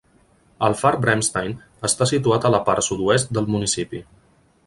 El far Bremstein està situat a la part sud-oest del municipi.